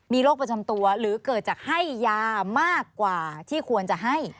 มีโรคประจำตัวหรือเกิดจากให้ยามากกว่าที่ควรจะให้